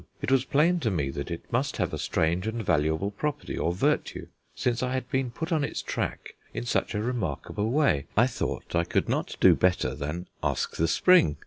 It was plain to me that it must have a strange and valuable property or virtue, since I had been put on its track in such a remarkable way. I thought I could not do better than ask the spring.